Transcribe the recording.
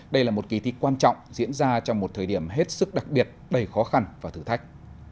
đây là một kỳ thi quan trọng diễn ra trong một thời điểm hết sức đặc biệt đầy khó khăn và thử thách